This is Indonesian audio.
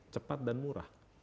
cepat dan murah